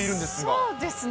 そうですね。